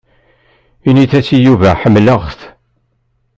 Init-as i Yuba ḥemmleɣ-t.